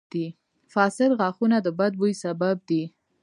• فاسد غاښونه د بد بوي سبب دي.